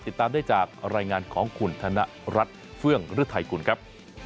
ติดตามได้จากรายงานของคุณธนรัฐเฟื่องฤทัยกุลครับ